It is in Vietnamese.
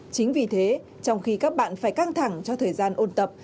chính vì thế trong khi các bạn phải căng thẳng cho thời gian ôn tập